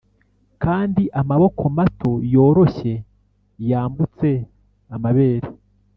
kandi amaboko mato yoroshye yambutse amabere,